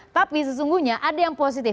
tapi sesungguhnya ada yang positif